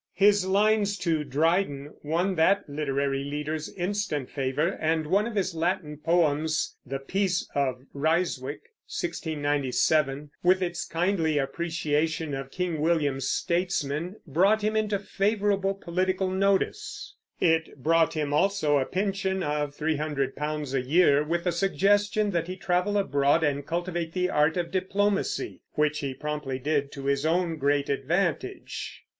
His lines to Dryden won that literary leader's instant favor, and one of his Latin poems, "The Peace of Ryswick" (1697), with its kindly appreciation of King William's statesmen, brought him into favorable political notice. It brought him also a pension of three hundred pounds a year, with a suggestion that he travel abroad and cultivate the art of diplomacy; which he promptly did to his own great advantage.